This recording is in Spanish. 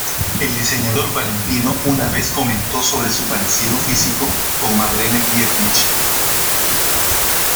El diseñador Valentino una vez comentó sobre su parecido físico con Marlene Dietrich.